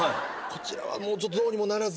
こちらはもうどうにもならず。